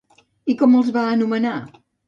I com els va anomenar?